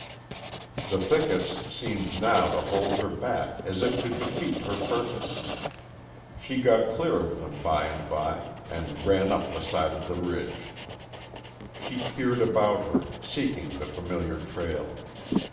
The thickets seemed now to hold her back as if to defeat her purpose. She got clear of them by and by and ran up the side of the ridge. She peered about her, seeking the familiar trail.